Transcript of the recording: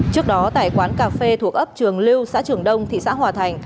trước đó tại quán cà phê thuộc ấp trường lưu xã trường đông thị xã hòa thành